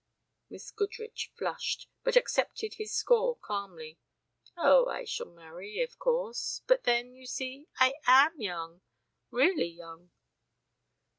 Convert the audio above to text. Miss Goodrich flushed, but accepted his score calmly. "Oh, I shall marry, of course. But then, you see, I am young really young."